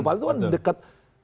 paling itu kan dekat